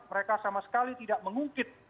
mereka sama sekali tidak mengungkit